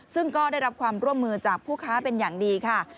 ซึ่งก็ได้รับความร่วมมือจากผู้ค้าเป็นอย่างดีค่ะ